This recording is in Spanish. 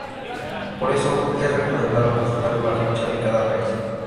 Por eso, es recomendable consultar la ficha de cada país.